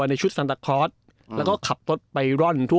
ในชุดซันตาคอร์สแล้วก็ขับรถไปร่อนทั่ว